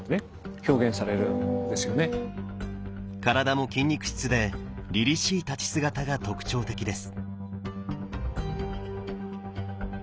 体も筋肉質でりりしい立ち姿が特徴的です。